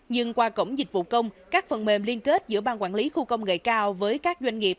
nhưng qua cổng dịch vụ công các phần mềm liên kết giữa bang quản lý khu công nghệ cao với các doanh nghiệp